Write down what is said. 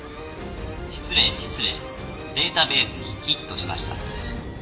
失礼失礼データベースにヒットしましたので。